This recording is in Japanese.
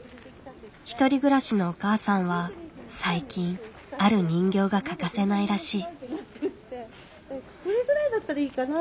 １人暮らしのお母さんは最近ある人形が欠かせないらしい。